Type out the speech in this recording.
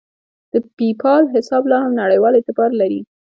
د پیپال حساب لاهم نړیوال اعتبار لري.